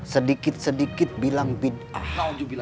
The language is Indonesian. sedikit sedikit bilang bid'ah